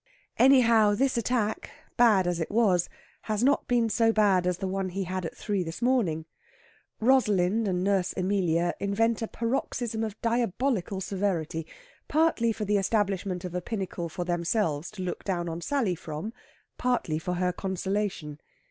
Anyhow, this attack bad as it was has not been so bad as the one he had at three this morning. Rosalind and Nurse Emilia invent a paroxysm of diabolical severity, partly for the establishment of a pinnacle for themselves to look down on Sally from, partly for her consolation.